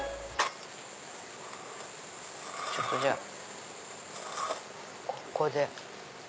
ちょっとじゃあここで。